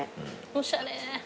おしゃれ。